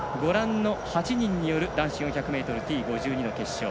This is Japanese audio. ８人による男子４００ｍＴ５２の決勝。